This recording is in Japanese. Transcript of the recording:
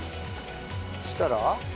そしたら？